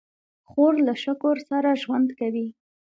خور له شکر سره ژوند کوي.